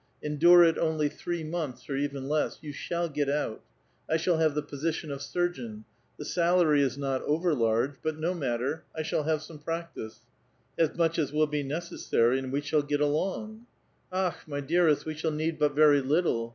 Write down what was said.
Endure it only three months, or even less ; you siiall get out. I shall have the position of surgeon. The salary is not over large ; but no matter, I shall have some practice ; as much as will be necessary, and we shall get along." " Akhl my dearest, we shall need but very little.